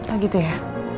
oh gitu ya